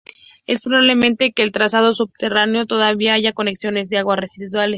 Es probable que en el trazado subterráneo todavía haya conexiones de aguas residuales.